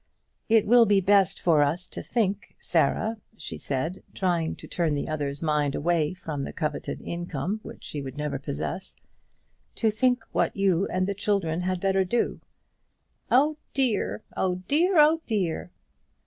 "It will be best for us to think, Sarah," she said, trying to turn the other's mind away from the coveted income which she would never possess "to think what you and the children had better do." "Oh, dear! oh, dear! oh, dear!"